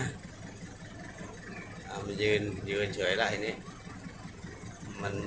เอามันยืนเฉยนะคนนี้